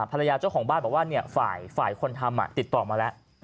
ภรรยาเจ้าของบ้านบอกว่าเนี่ยฝ่ายฝ่ายคนทำอ่ะติดต่อมาแล้ว